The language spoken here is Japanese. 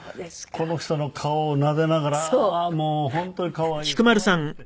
この人の顔をなでながら「本当に可愛い可愛い」って。